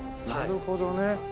なるほどね。